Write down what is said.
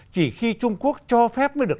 chỉ khi trung quốc cho phép mới được